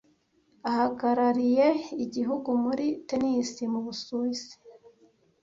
ahagarariye igihugu muri tennis mu Busuwisi